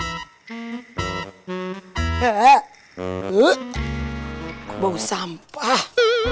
aku bau sampah